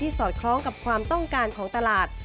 สอดคล้องกับความต้องการของตลาด